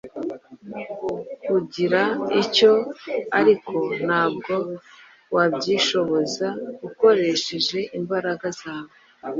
kugira icyo Ariko nta bwo wa byishoboza ukoresheje imbaraga zawe